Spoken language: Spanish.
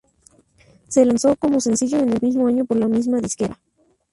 Se lanzó como sencillo en el mismo año por la misma disquera.